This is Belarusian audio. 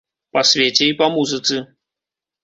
Па свеце і па музыцы.